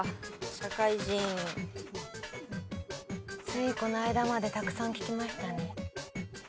ついこの間までたくさん聞きましたね。